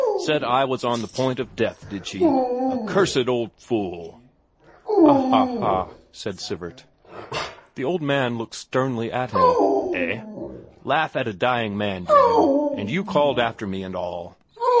"Said I was on the point of death, did she? A cursed old fool!" "Ha ha ha!" said Sivert. The old man looked sternly at him. "Eh? Laugh at a dying man, do you, and you called after me and all!"